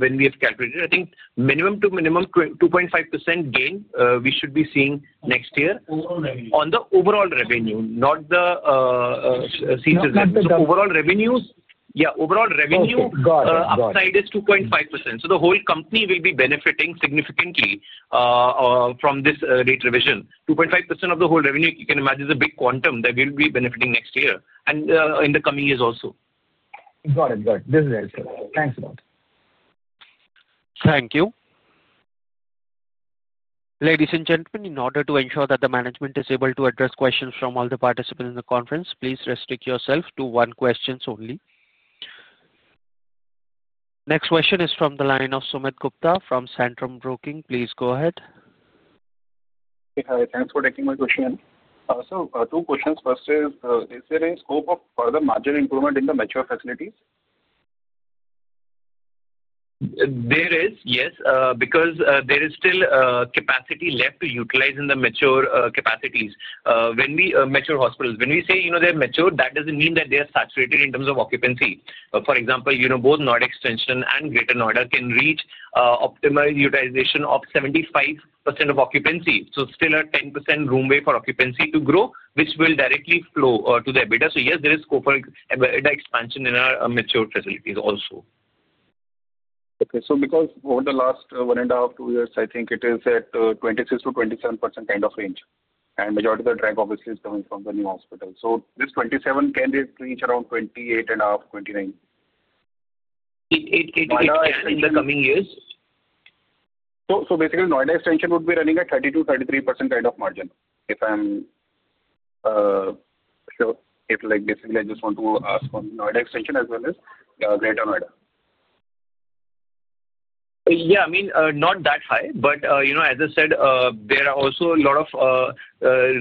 when we have calculated, minimum to minimum 2.5% gain we should be seeing next year on the overall revenue, not the CGHS. Overall revenues, yeah, overall revenue upside is 2.5%. The whole company will be benefiting significantly from this rate revision. 2.5% of the whole revenue, you can imagine, is a big quantum that will be benefiting next year and in the coming years also. Got it. Got it. This is it, sir. Thanks a lot. Thank you. Ladies and gentlemen, in order to ensure that the management is able to address questions from all the participants in the conference, please restrict yourselves to one question only. Next question is from the line of Sumit Gupta from Centrum Broking. Please go ahead. Hey, hi. Thanks for taking my question. So two questions. First is, is there a scope of further margin improvement in the mature facilities? There is, yes, because there is still capacity left to utilize in the mature capacities. When we mature hospitals, when we say they're mature, that doesn't mean that they are saturated in terms of occupancy. For example, both Noida Extension and Greater Noida can reach optimized utilization of 75% of occupancy. So still a 10% roomway for occupancy to grow, which will directly flow to the EBITDA. Yes, there is scope for EBITDA expansion in our mature facilities also. Okay. So because over the last one and a half, two years, I think it is at 26%-27% kind of range. And majority of the drag, obviously, is coming from the new hospital. So this 27% can reach around 28.5%-29%. In the coming years. Basically, Noida Extension would be running at 32%-33% kind of margin. If I am sure, if basically I just want to ask on Noida Extension as well as Greater Noida. Yeah. I mean, not that high. As I said, there are also a lot of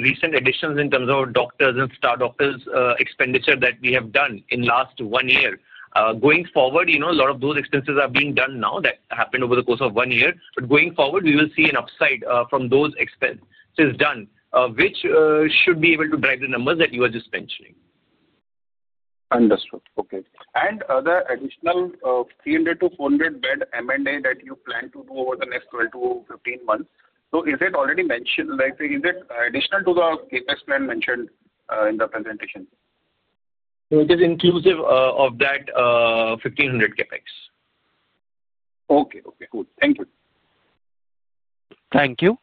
recent additions in terms of doctors and star doctors expenditure that we have done in the last one year. Going forward, a lot of those expenses are being done now that happened over the course of one year. Going forward, we will see an upside from those expenses done, which should be able to drive the numbers that you are just mentioning. Understood. Okay. The additional 300-400 bed M&A that you plan to do over the next 12-15 months, is it already mentioned? Is it additional to the CapEx plan mentioned in the presentation? It is inclusive of that 1,500 CapEx. Okay. Okay. Good. Thank you. Thank you.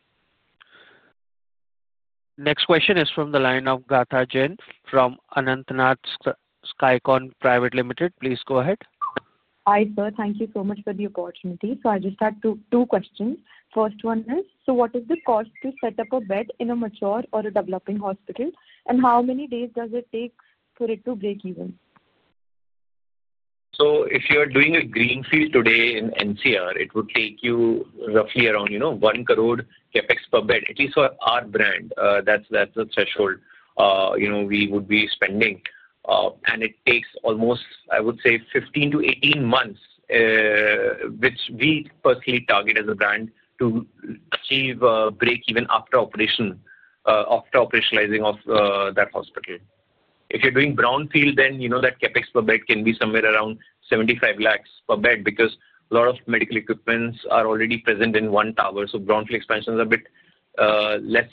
Next question is from the line of Gartha Jain from Anantnath Skycon Private Limited. Please go ahead. Hi, sir. Thank you so much for the opportunity. I just had two questions. First one is, what is the cost to set up a bed in a mature or a developing hospital, and how many days does it take for it to break even? If you are doing a greenfield today in NCR, it would take you roughly around 1 crore CapEx per bed, at least for our brand. That's the threshold we would be spending. It takes almost, I would say, 15-18 months, which we personally target as a brand to achieve a break even after operationalizing of that hospital. If you're doing brownfield, then that CapEx per bed can be somewhere around 7.5 million per bed because a lot of medical equipment is already present in one tower. Brownfield expansion is a bit less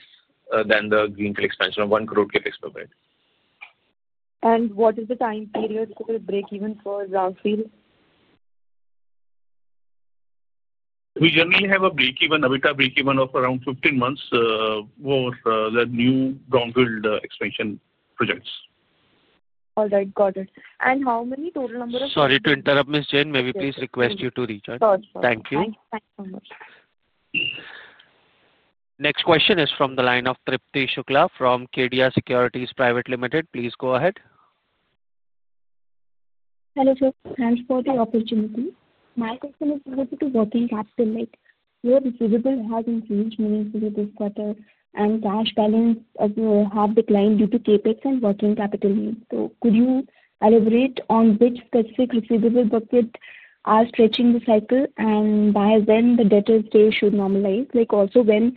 than the greenfield expansion of 10 million CapEx per bed. What is the time period for the break-even for brownfield? We generally have a break even, EBITDA break-even of around 15 months for the new brownfield expansion projects. All right. Got it. And how many total number of? Sorry to interrupt, Ms. Jain. Maybe please request you to reach out. Sure. Sure. Thank you. Thank you so much. Next question is from the line of Tripti Shukla from KDA Securities Private Limited. Please go ahead. Hello, sir. Thanks for the opportunity. My question is related to working capital rate. Your receivable has increased meaning for this quarter, and cash balance have declined due to CapEx and working capital needs. Could you elaborate on which specific receivable bucket are stretching the cycle, and by when the debtor's pay should normalize? Also, when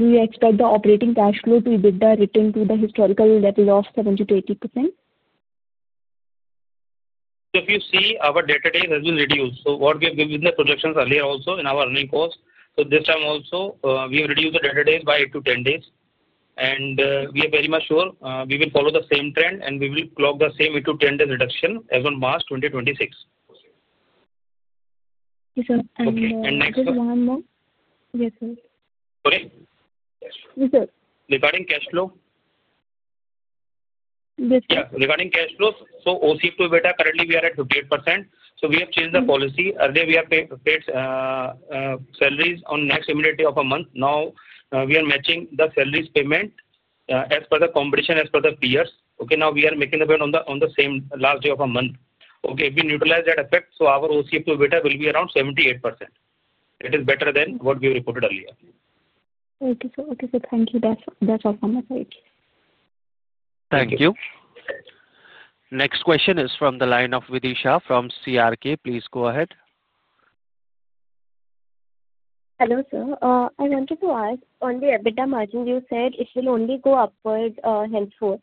do you expect the operating cash flow to be returned to the historical level of 70%-80%? If you see, our debtor days have been reduced. What we have given the projections earlier also in our earning cost. This time also, we have reduced the debtor days by 8-10 days. We are very much sure we will follow the same trend, and we will clock the same 8-10 days reduction as on March 2026. Okay. Next question. Next question. One more. Yes, sir. Sorry? Yes, sir. Regarding cash flow? Yes, sir. Yeah. Regarding cash flows, OCF2 beta currently we are at 58%. We have changed the policy. Earlier, we have paid salaries on next imminent day of a month. Now, we are matching the salaries payment as per the competition, as per the peers. Now, we are making the payment on the same last day of a month. If we neutralize that effect, our OCF2 beta will be around 78%. It is better than what we reported earlier. Okay. Sir. Thank you. That's all from my side. Thank you. Next question is from the line of Vidisha from CRK. Please go ahead. Hello, sir. I wanted to ask on the EBITDA margin. You said it will only go upward henceforth.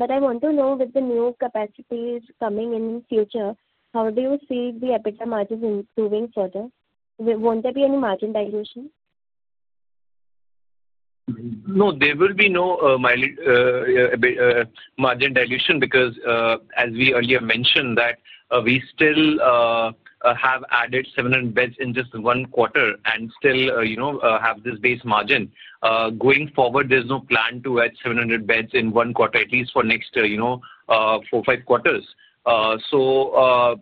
I want to know with the new capacities coming in future, how do you see the EBITDA margin improving further? Won't there be any margin dilution? No. There will be no margin dilution because, as we earlier mentioned, that we still have added 700 beds in just one quarter and still have this base margin. Going forward, there's no plan to add 700 beds in one quarter, at least for the next four or five quarters. There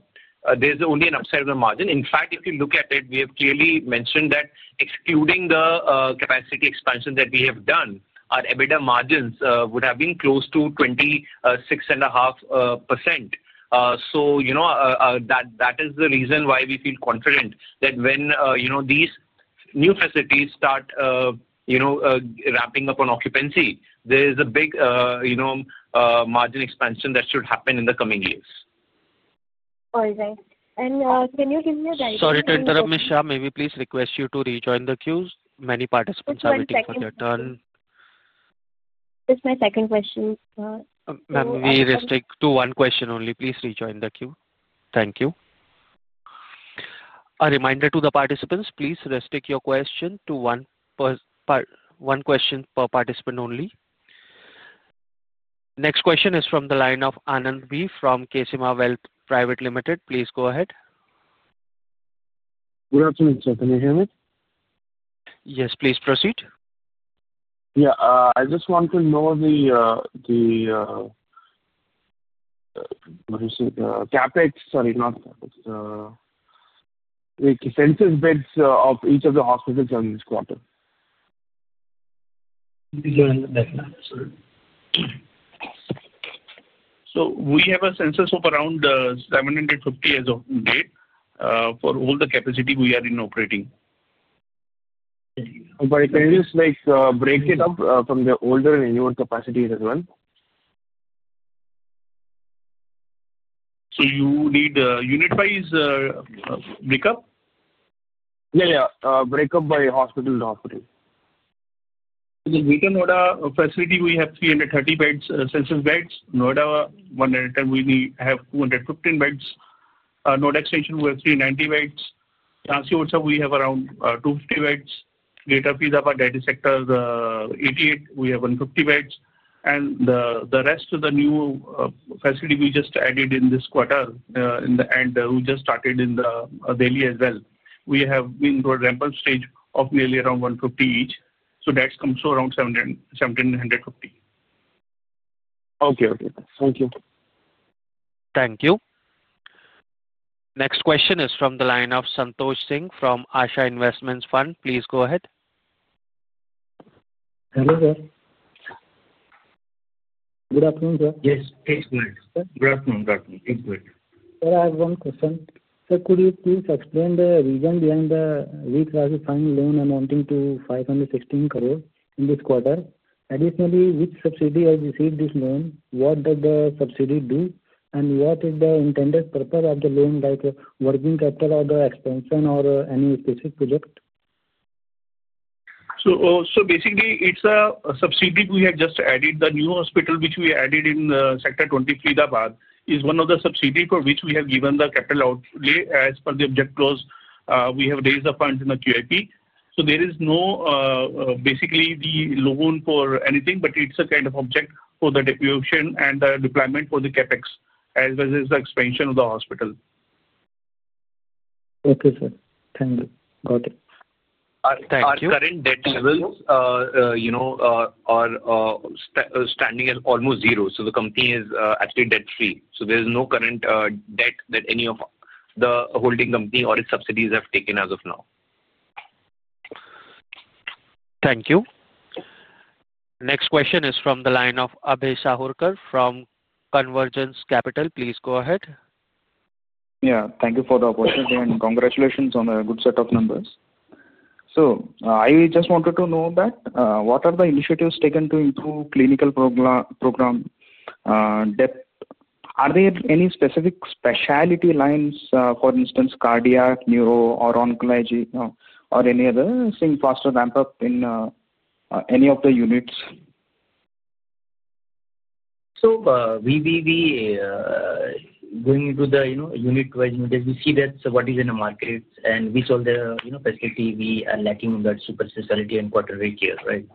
is only an upside of the margin. In fact, if you look at it, we have clearly mentioned that excluding the capacity expansion that we have done, our EBITDA margins would have been close to 26.5%. That is the reason why we feel confident that when these new facilities start ramping up on occupancy, there is a big margin expansion that should happen in the coming years. All right. Can you give me a guide? Sorry to interrupt, Ms. Shah. May we please request you to rejoin the queue. Many participants are waiting for their turn. It's my second question. Ma'am, we restrict to one question only. Please rejoin the queue. Thank you. A reminder to the participants, please restrict your question to one question per participant only. Next question is from the line of Anand B from Ksema Wealth Private Limited. Please go ahead. Good afternoon, sir. Can you hear me? Yes. Please proceed. Yeah. I just want to know the CapEx, sorry, not CapEx, the census beds of each of the hospitals in this quarter. We have a census of around 750 as of date for all the capacity we are in operating. If it is breaking up from the older and newer capacities as well? You need unit-wise breakup? Yeah. Yeah. Breakup by hospital-to-hospital. The Greater Noida facility, we have 330 beds, census beds. Noida, we have 215 beds. Noida Extension, we have 390 beds. Jhansi Orchha, we have around 250 beds. Greater Faridabad, Sector 88, we have 150 beds. The rest of the new facility we just added in this quarter and we just started in New Delhi as well. We have been to a ramp-up stage of nearly around 150 each. That comes to around 1,750. Okay. Okay. Thank you. Thank you. Next question is from the line of Santosh Singh from Asha Investments Fund. Please go ahead. Hello, sir. Good afternoon, sir. Yes. Good afternoon. Good afternoon. Good afternoon. Thanks for waiting. Sir, I have one question. Sir, could you please explain the reason behind the refinancing loan amounting to 516 crore in this quarter? Additionally, which subsidiary has received this loan? What does the subsidiary do? What is the intended purpose of the loan, like working capital or the expansion or any specific project? Basically, it's a subsidiary we have just added. The new hospital, which we added in Sector 20, Faridabad, is one of the subsidiaries for which we have given the capital outlay as per the object clause. We have raised the fund in the QIP. There is no loan for anything, but it's a kind of object for the depletion and the deployment for the CapEx as well as the expansion of the hospital. Okay, sir. Thank you. Got it. Thank you. Current debt levels are standing at almost zero. The company is actually debt-free. There is no current debt that any of the holding company or its subsidiaries have taken as of now. Thank you. Next question is from the line of Abhay Sahukar from Convergence Capital. Please go ahead. Yeah. Thank you for the opportunity and congratulations on a good set of numbers. I just wanted to know that what are the initiatives taken to improve clinical program depth? Are there any specific specialty lines, for instance, cardiac, neuro, or oncology, or any other thing faster ramp-up in any of the units? We have been going into the unit-wise units. We see that is what is in the market. We saw the facility we are lacking in that super specialty and quaternary care, right?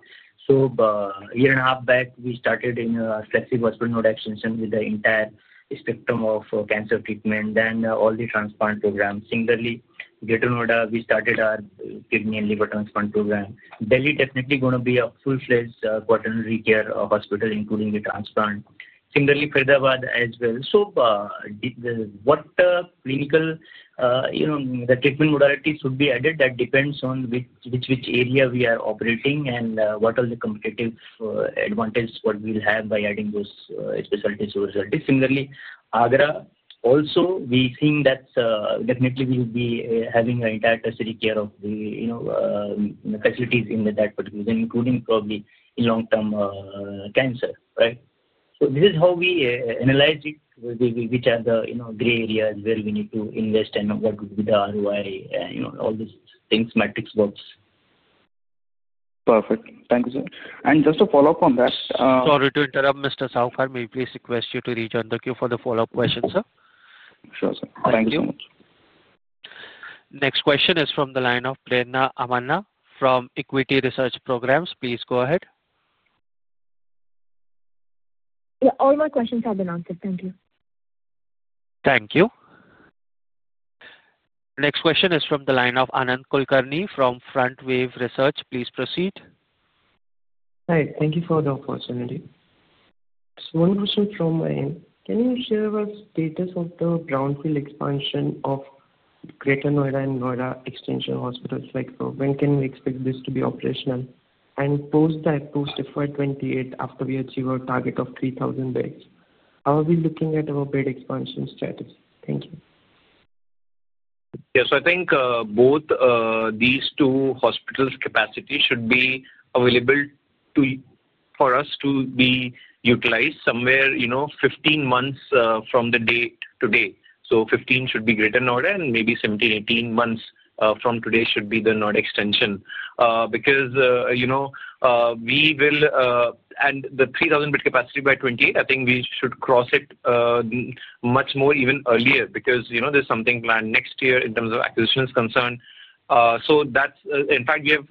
A year and a half back, we started in a flexible hospital Noida Extension with the entire spectrum of cancer treatment and all the transplant programs. Similarly, Greater Noida, we started our kidney and liver transplant program. Delhi is definitely going to be a full-fledged quaternary care hospital, including the transplant. Similarly, Faridabad as well. What clinical treatment modalities would be added depends on which area we are operating in and what are the competitive advantages we will have by adding those specialties or facilities. Similarly, Agra also, we are seeing that definitely we will be having entire tertiary care facilities in that particular region, including probably in long-term cancer, right? This is how we analyze it, which are the gray areas where we need to invest and what would be the ROI, all these things, metrics, bobs. Perfect. Thank you, sir. Just to follow up on that. Sorry to interrupt, Mr. Sahurkar. Maybe please request you to rejoin the queue for the follow-up questions, sir. Sure, sir. Thank you so much. Next question is from the line of Prerana Amanna from Equity Research Programs. Please go ahead. Yeah. All my questions have been answered. Thank you. Thank you. Next question is from the line of Anand Kulkarni from Front Wave Research. Please proceed. Hi. Thank you for the opportunity. Just one question from my end. Can you share with us the status of the brownfield expansion of Greater Noida and Noida Extension hospitals? When can we expect this to be post-FY 2028, after we achieve our target of 3,000 beds, how are we looking at our bed expansion strategy? Thank you. Yes. I think both these two hospitals' capacity should be available for us to be utilized somewhere 15 months from the date today. So 15 should be Greater Noida, and maybe 17-18 months from today should be the Noida Extension. Because we will add the 3,000-bed capacity by 2028, I think we should cross it much more even earlier because there's something planned next year in terms of acquisitions concerned. In fact, we have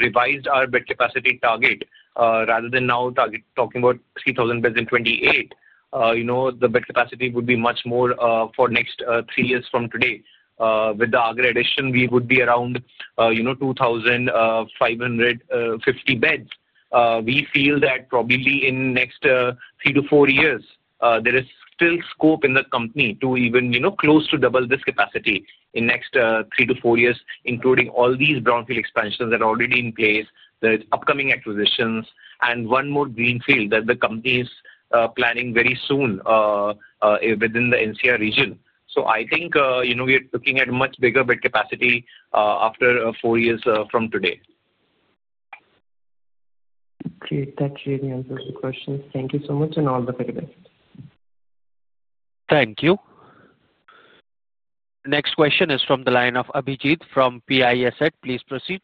revised our bed capacity target. Rather than now talking about 3,000 beds in 2028, the bed capacity would be much more for next three years from today. With the Agra addition, we would be around 2,550 beds. We feel that probably in the next 3-4 years, there is still scope in the company to even close to double this capacity in the next three to four years, including all these brownfield expansions that are already in place, the upcoming acquisitions, and one more greenfield that the company is planning very soon within the NCR region. I think we are looking at a much bigger bed capacity after 4 years from today. Great. That really answers the questions. Thank you so much and all the very best. Thank you. Next question is from the line of Abhijit from PISH. Please proceed.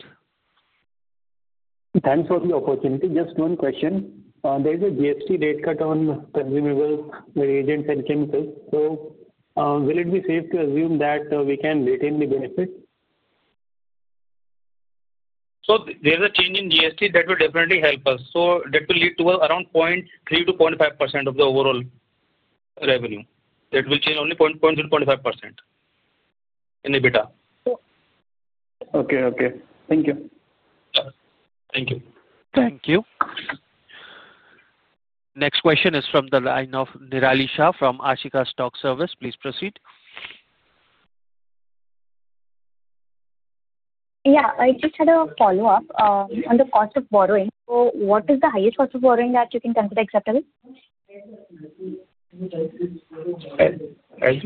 Thanks for the opportunity. Just one question. There is a GST rate cut on consumables, agents, and chemicals. So will it be safe to assume that we can retain the benefit? There is a change in GST that will definitely help us. That will lead to around 0.3%-0.5% of the overall revenue. That will change only 0.3%-0.5% in EBITDA. Okay. Okay. Thank you. Thank you. Thank you. Next question is from the line of Nirali Shah from Ashika Stock Service. Please proceed. Yeah. I just had a follow-up on the cost of borrowing. So what is the highest cost of borrowing that you can consider acceptable? As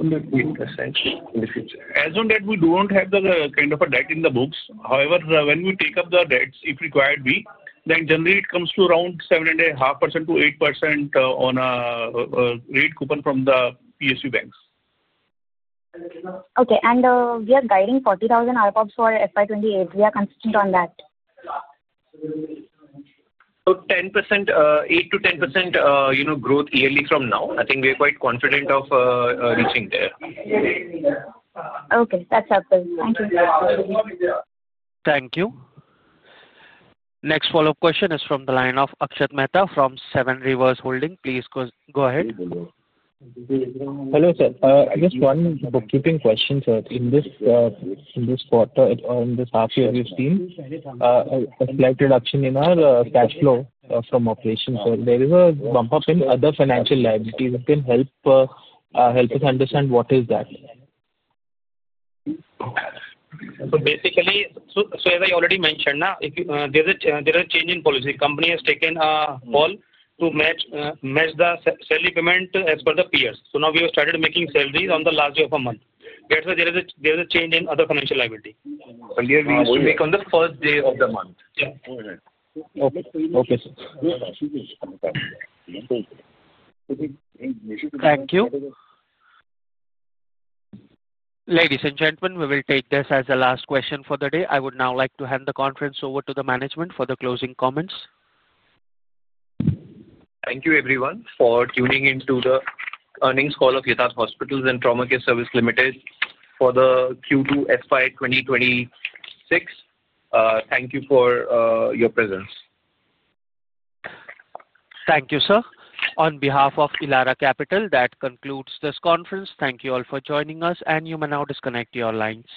on that, we don't have the kind of a debt in the books. However, when we take up the debts, if required, we then generally it comes to around 7.5%-8% on a rate coupon from the PSU banks. Okay. We are guiding 40,000 ARPOBs FY 2028. we are consistent on that. Eight to 10% growth yearly from now. I think we are quite confident of reaching there. Okay. That's helpful. Thank you. Thank you. Next follow-up question is from the line of Akshat Mehta from Seven Rivers Holding. Please go ahead. Hello, sir. Just one bookkeeping question, sir. In this quarter or in this half year, we've seen a slight reduction in our cash flow from operations. There is a bump up in other financial liabilities. Can you help us understand what is that? Basically, as I already mentioned, there is a change in policy. The company has taken a call to match the salary payment as per the peers. Now we have started making salaries on the last day of a month. That is why there is a change in other financial liability. Yeah. We make on the first day of the month. Yeah. Okay. Okay, sir. Thank you. Ladies and gentlemen, we will take this as the last question for the day. I would now like to hand the conference over to the management for the closing comments. Thank you, everyone, for tuning into the earnings call of Yatharth Hospital & Trauma Care Services Limited for the FY 2026. thank you for your presence. Thank you, sir. On behalf of Elara Capital, that concludes this conference. Thank you all for joining us, and you may now disconnect your lines.